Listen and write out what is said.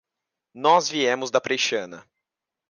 Nós viemos da Preixana.